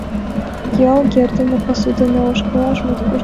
Юалге эрдене пасу дене ошкылаш моткоч ласка.